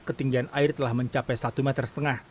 ketinggian air telah mencapai satu lima meter